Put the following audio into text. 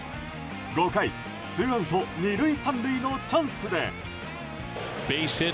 ５回、ツーアウト２塁３塁のチャンスで。